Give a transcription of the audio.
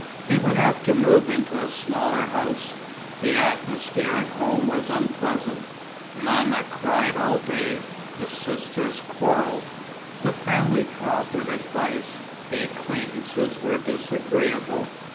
They would have to move into a smaller house. The atmosphere at home was unpleasant: Mamma cried all day; the sisters quarrelled; the family proffered advice; the acquaintances were disagreeable.